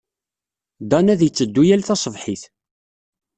Dan ad yetteddu yal taṣebḥit.